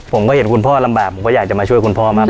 ผมก็เห็นคุณพ่อลำบากผมก็อยากจะมาช่วยคุณพ่อมาก